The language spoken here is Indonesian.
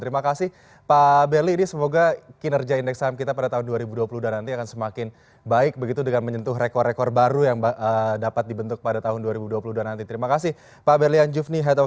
terima kasih pak berli ini semoga kinerja indeks saham kita pada tahun dua ribu dua puluh dan nanti akan semakin baik begitu dengan menyentuh rekor rekor baru yang dapat dibentuk pada tahun dua ribu dua puluh dua nanti